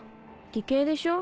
理系でしょ